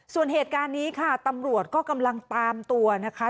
ส่วนเหตุการณ์นี้ค่ะตำรวจก็กำลังตามตัวนะคะ